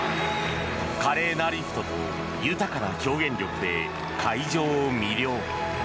華麗なリフトと豊かな表現力で会場を魅了。